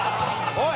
おい！